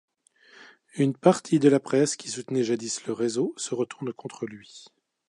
Une partie de la presse, qui soutenait jadis le Réseau, se retourne contre lui.